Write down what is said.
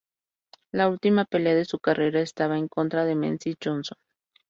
La última pelea de su carrera estaba en contra de Menzies Johnson.